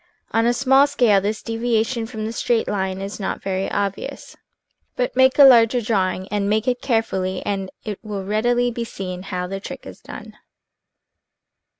On a small scale this deviation from the straight line is not very obvious, but make a larger draw ing, and make it carefully, and it will readily be seen how the trick is done.